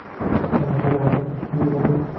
ایا تګ راتګ کې ستونزه لرئ؟